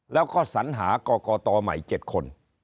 แล้วก็สัญหากรกตใหม่๗คน